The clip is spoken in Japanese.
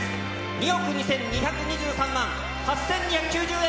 ２億２２２３万８２９０円。